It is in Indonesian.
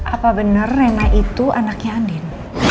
apa benar rena itu anaknya andin